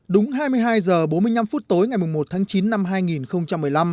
đúng hai mươi hai h bốn mươi năm phút tối ngày một tháng chín năm hai nghìn một mươi năm